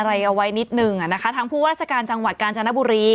อะไรเอาไว้นิดนึงอ่ะนะคะทางผู้ว่าราชการจังหวัดกาญจนบุรี